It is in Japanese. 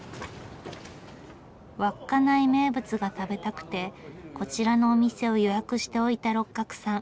稚内名物が食べたくてこちらのお店を予約しておいた六角さん。